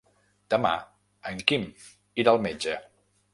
Demà en Quim irà al metge.